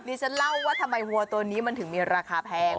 ฉันเล่าว่าทำไมวัวตัวนี้มันถึงมีราคาแพง